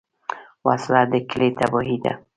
وسله د کلي تباهي ده